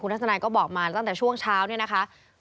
ทัศนัยก็บอกมาตั้งแต่ช่วงเช้าเนี่ยนะคะ